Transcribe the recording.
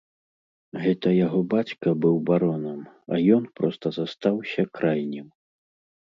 Гэта яго бацька быў баронам, а ён проста застаўся крайнім.